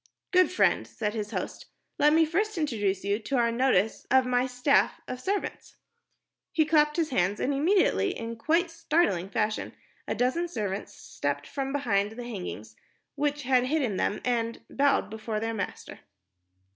"Good friend," said his host, "let me first introduce to your notice my staff of servants." He clapped his hands, and immediately, in quite startling fashion, a dozen servants stepped from behind the hangings which had hidden them and bowed before their master.